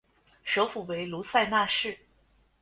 首府为卢塞纳市。